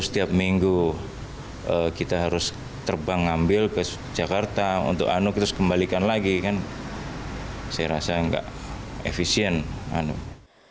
setiap minggu kita harus terbang ngambil ke jakarta untuk anu terus kembalikan lagi kan saya rasa nggak efisien anu